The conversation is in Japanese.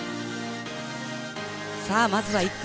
まずは１区。